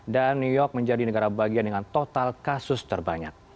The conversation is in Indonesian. dan new york menjadi negara bagian dengan total kasus terbanyak